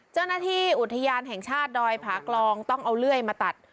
เจ้าหน้าที่อุทยานแห่งชาติดอยผากลองต้องเอาเลื่อยมาตัด